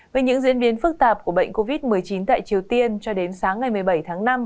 về những diễn biến phức tạp của bệnh covid một mươi chín tại triều tiên cho đến sáng ngày một mươi bảy tháng năm